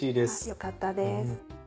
よかったです。